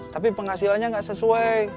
tapi penghasilannya gak sesuai